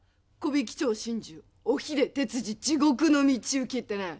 「木挽町心中おひで鉄次地獄の道行き」ってな。